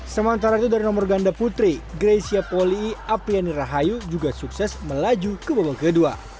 sementara itu dari nomor ganda putri greysia poli apriani rahayu juga sukses melaju ke babak kedua